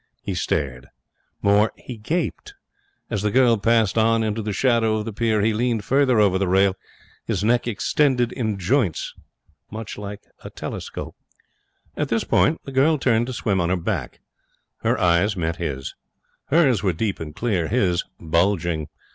He stared. More, he gaped. As the girl passed on into the shadow of the pier he leaned farther over the rail, and his neck extended in joints like a telescope. At this point the girl turned to swim on her back. Her eyes met his. Hers were deep and clear; his, bulging.